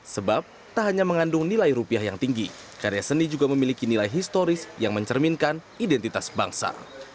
sebab tak hanya mengandung nilai rupiah yang tinggi karya seni juga memiliki nilai historis yang mencerminkan identitas bangsa